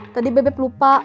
tadi bebep lupa